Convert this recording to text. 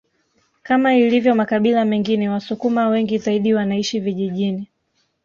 Kama ilivyo makabila mengine wasukuma wengi zaidi wanaishi vijijini